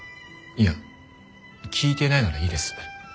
いや聞いてないならいいです。